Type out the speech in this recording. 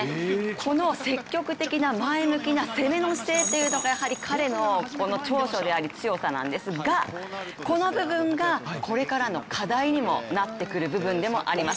この積極的な前向きな攻めの姿勢というのがやはり彼の長所であり強さなんですが、この部分がこれからの課題にもなってくる部分でもあります。